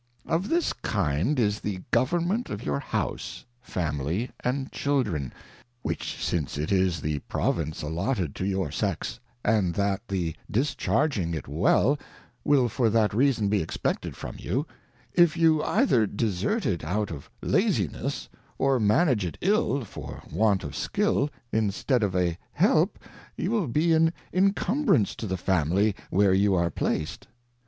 Of this kind is the Government of your House, Family, and Children, which since it is the Province allotted to your Sex, and that the discharging it well, will for that reason be expected from you, if you either desert it out of Laziness, or manage it iU for want of skill, instead of a Help you will be an Incumbrance to the Family where you are placed.